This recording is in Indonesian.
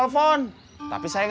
sampai jumpa di video selanjutnya